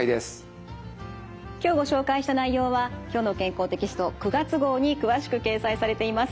今日ご紹介した内容は「きょうの健康」テキスト９月号に詳しく掲載されています。